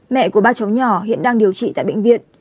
mẹ của ba cháu nhỏ hiện đang điều trị tại bệnh viện